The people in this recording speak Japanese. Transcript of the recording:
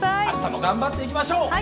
あしたも頑張っていきましょう。